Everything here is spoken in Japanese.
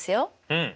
うん。